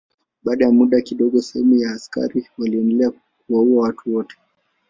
Baada ya muda kidogo sehemu ya askari waliendelea kuwaua watu wote.